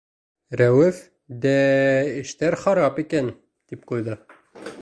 Рәүеф, дә-ә, эштәр харап икән, тип ҡуйҙы.